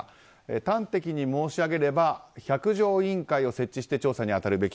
端的に申し上げれば百条委員会を設置して調査に当たるべき。